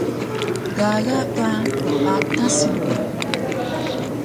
Gaga ka ppatas mu